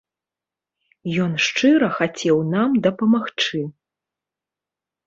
Ён шчыра хацеў нам дапамагчы.